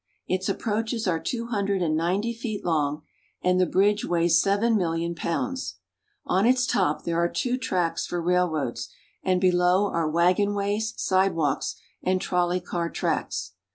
Its approaches are two hundred and ninety feet long, and the bridge weighs seven million pounds. On its top there are two tracks for railroads, and below are wagonways, sidewalks, and trolley car tracks.